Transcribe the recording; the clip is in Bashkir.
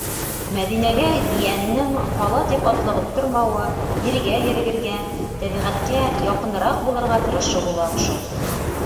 Мәҙинәгә ейәненең ҡала тип атлығып тормауы, ергә ерегергә, тәбиғәткә яҡыныраҡ булырға тырышыуы ла оҡшай.